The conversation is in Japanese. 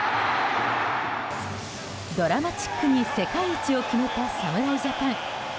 ドラマチックに世界一を決めた侍ジャパン。